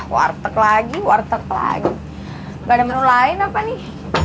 warteg lagi warteg lagi gak ada menu lain apa nih